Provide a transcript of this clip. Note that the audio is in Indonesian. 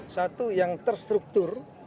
satu yang terstruktur